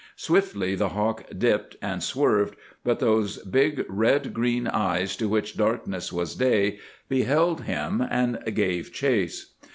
] Swiftly the hawk dipped and swerved, but those big red green eyes, to which darkness was day, beheld him, and gave chase.